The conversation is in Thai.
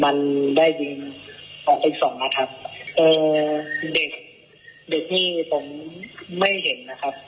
มันได้ยิงออกไปอีกสองนัดครับเอ่อเด็กเด็กนี่ผมไม่เห็นนะครับ